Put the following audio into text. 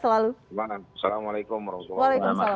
selalu selamat malam assalamualaikum warahmatullahi wabarakatuh